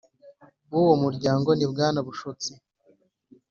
W uwo muryango ni bwana bushotsi